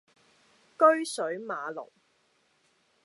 車水馬龍